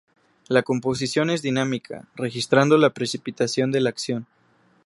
La composición es dinámica, registrando la precipitación de la acción.